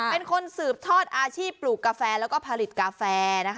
เป็นคนสืบทอดอาชีพปลูกกาแฟแล้วก็ผลิตกาแฟ